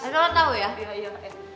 kita akan tau ya